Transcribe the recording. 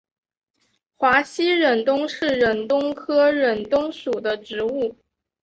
华西忍冬是忍冬科忍冬属的植物。